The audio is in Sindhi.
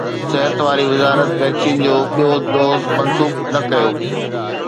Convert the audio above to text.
صحت واري وزارت ويڪسين جو ٻيو دوز منسوخ نه ڪيو